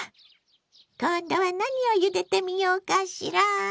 今度は何をゆでてみようかしら。